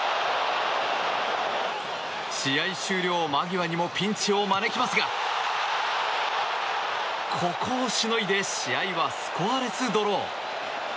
試合終了間際にもピンチを招きますがここをしのいで試合はスコアレスドロー。